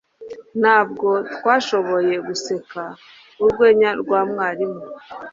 Ntabwo twashoboye guseka urwenya rwa mwarimu.